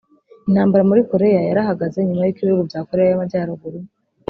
Intambara muri Korea yarahagaze nyuma y’uko ibihugu bya Korea y’amajyaruguru